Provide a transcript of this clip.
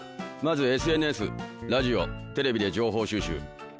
まずＳＮＳラジオテレビで情報収集。